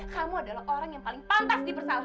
kamu adalah orang yang paling pantas dipersalahkan